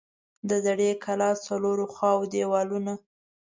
د زړې کلا څلور خوا دیوالونه